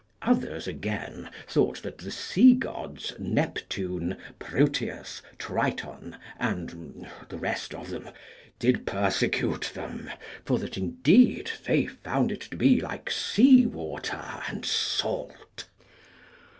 Others again thought that the sea gods, Neptune, Proteus, Triton, and the rest of them, did persecute them, for that indeed they found it to be like sea water and salt.